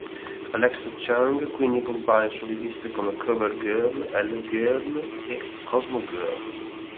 Alexa Chung quindi compare su riviste come "Cover Girl", "Elle Girl" e "Cosmo Girl".